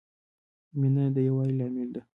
مینه د یووالي لامل ده.